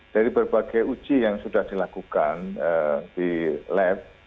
dari berbagai uji yang sudah dilakukan di lab